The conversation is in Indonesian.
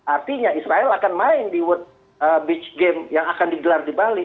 artinya israel akan main di world beach game yang akan digelar di bali